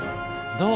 どう？